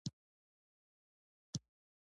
زه غواړم پښتو ژبې ته خدمت وکړم.